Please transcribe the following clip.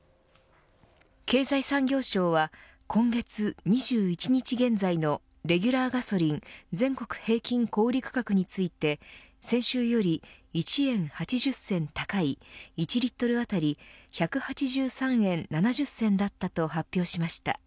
経済産業省は今月２１日現在のレギュラーガソリン全国平均小売価格について先週より１円８０銭高い１リットル当たり１８３円７０銭だったと発表しました。